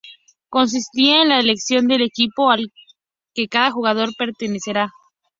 Consistía en la elección del equipo al que cada jugador pertenecerá.